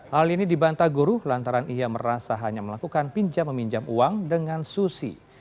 hal ini dibantah guru lantaran ia merasa hanya melakukan pinjam meminjam uang dengan susi